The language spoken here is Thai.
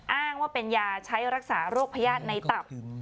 อ้างว่าเป็นยาใช้รักษาโรคพญาติในตับ